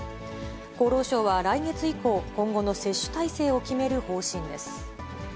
厚労省は来月以降、今後の接種体制を決める方針です。